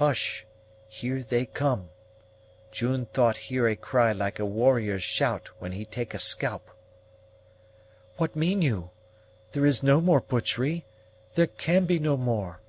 "Hush! Here they come. June thought hear a cry like a warrior's shout when he take a scalp." "What mean you? There is no more butchery! there can be no more."